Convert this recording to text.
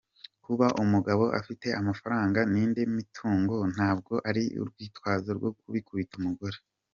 Kuba umugabo afite amafaranga n’indi mitungo ntabwo ari urwitazo rwo gukubita umugore.